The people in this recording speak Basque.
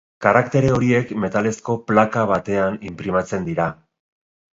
Karaktere horiek metalezko plaka batean inprimatzen dira.